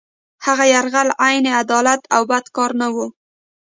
هغه یرغل عین عدالت او بد کار نه وو.